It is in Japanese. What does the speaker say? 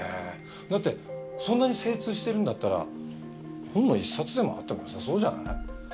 だってそんなに精通してるんだったら本の一冊でもあってもよさそうじゃない？